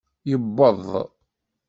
Yewweḍ.